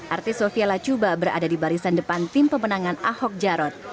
artis sofia lacuba berada di barisan depan tim pemenangan ahok jarot